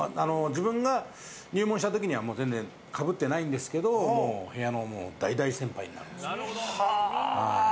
自分が入門した時には全然かぶってないんですけど部屋の大大先輩になるんです。